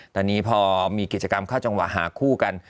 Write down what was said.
ตอนนี้พอมีกิจกรรมเข้าจังหวะหาคู่กัน